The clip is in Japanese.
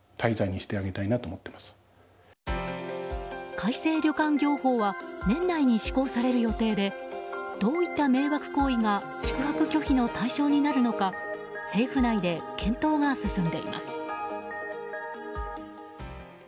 改正旅館業法は年内に施行される予定でどういった迷惑行為が宿泊拒否の対象になるのか政府内で検討が進んでいます。